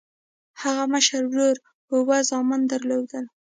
هغه مشر ورور اووه زامن درلودل.